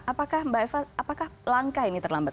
apakah mbak eva apakah langkah ini terlambat